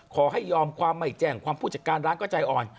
ขอให้ยอมความไม่แจ้งความผู้จัดการร้านก็ใจอ่อน